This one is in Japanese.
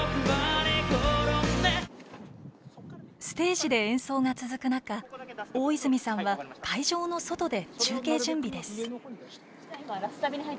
ステージで演奏が続く中大泉さんは会場の外で中継準備です。